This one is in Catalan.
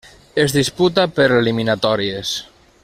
Es disputa per eliminatòries.